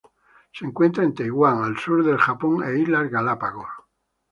Se encuentra en Taiwán, el sur del Japón e Islas Galápagos.